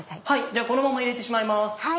じゃあこのまま入れてしまいます。